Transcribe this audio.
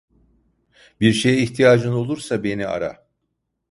Bir şeye ihtiyacın olursa beni ara.